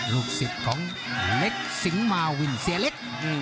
ลูกศิษย์ของเล็กสิงหมาวินเสียเล็ก